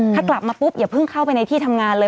ถ้ากลับมาปุ๊บอย่าเพิ่งเข้าไปในที่ทำงานเลย